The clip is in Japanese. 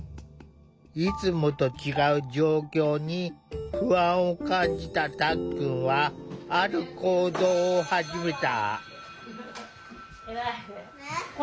いつもと違う状況に不安を感じたたっくんはある行動を始めた。